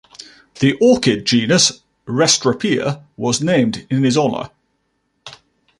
The Orchid genus "Restrepia" was named in his honor.